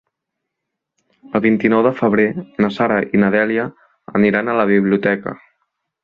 El vint-i-nou de febrer na Sara i na Dèlia aniran a la biblioteca.